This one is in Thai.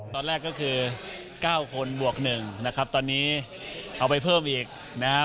ตอนแรกก็คือ๙คนบวก๑นะครับตอนนี้เอาไปเพิ่มอีกนะครับ